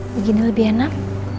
begini lebih enak